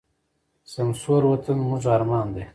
سمسور وطن زموږ ارمان دی.